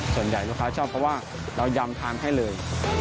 ส่วนใหญ่ลูกค้าชอบเพราะว่าเรายำทานให้เลย